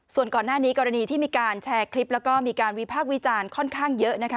ส่วนก่อนหน้านี้กรณีที่มีการแชร์คลิปแล้วก็มีการวิพากษ์วิจารณ์ค่อนข้างเยอะนะคะ